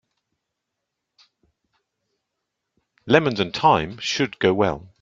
Lemons and thyme should go well.